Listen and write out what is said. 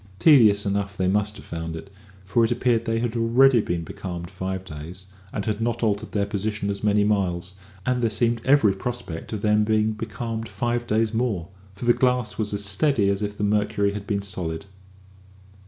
Tedious enough they must have found it, for it appeared that they had already been becalmed five days, and had not altered their position as many miles; and there seemed every prospect of their being becalmed five days more, for the glass was as steady as if the mercury had been solid.